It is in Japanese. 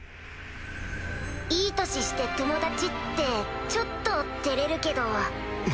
いい年して友達ってちょっとてれるけど。